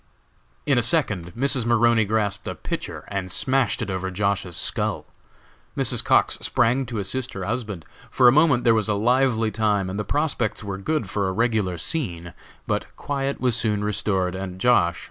In a second Mrs. Maroney grasped a pitcher and smashed it over Josh.'s skull! Mrs. Cox sprang to assist her husband. For a moment there was a lively time, and the prospects were good for a regular scene, but quiet was soon restored, and Josh.